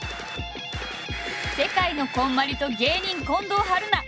世界のこんまりと芸人近藤春菜